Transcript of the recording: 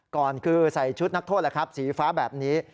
ก่อนคือใส่ชุดนักโทษสีฟ้าแบบนี้